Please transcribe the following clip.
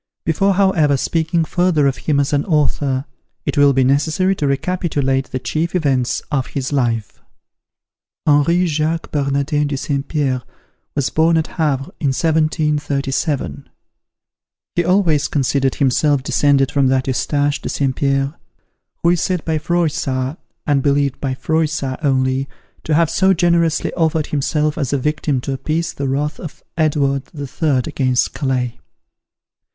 Before, however, speaking further of him as an author, it will be necessary to recapitulate the chief events of his life. HENRI JACQUES BERNARDIN DE ST. PIERRE, was born at Havre in 1737. He always considered himself descended from that Eustache de St. Pierre, who is said by Froissart, (and I believe by Froissart only), to have so generously offered himself as a victim to appease the wrath of Edward the Third against Calais.